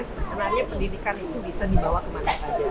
sebenarnya pendidikan itu bisa dibawa kemana saja